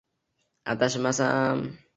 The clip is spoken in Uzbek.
adashmasam